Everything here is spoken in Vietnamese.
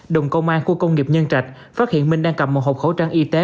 đồng công an khu công nghiệp nhân trạch phát hiện minh đang cầm một hộp khẩu trang y tế